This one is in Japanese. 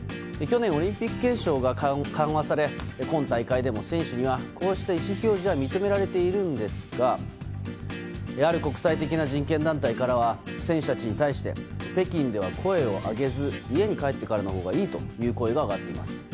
去年、オリンピック憲章が緩和され、今大会でも選手にはこうした意思表示は認められているんですが、ある国際的な人権団体からは、選手たちに対して、北京では声を上げず、家に帰ってからのほうがいいという声が上がっています。